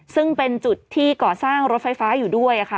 ซึ่งเป็นจุดที่ก่อสร้างรถไฟฟ้าอยู่ด้วยค่ะ